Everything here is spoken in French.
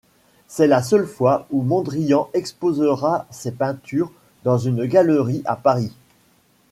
C'est la seule fois où Mondrian exposera ses peintures dans une galerie à Paris.